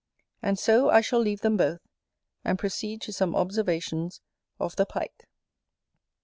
And so I shall leave them both; and proceed to some observations of the Pike.